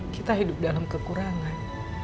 kita hidup dalam kekurangan